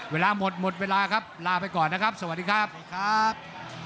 เวลาหมดหมดเวลาครับลาไปก่อนนะครับสวัสดีครับ